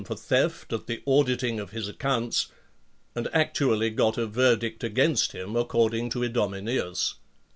for theft at the auditing of his accounts, and actually got a verdict against him, according to Idomeneus.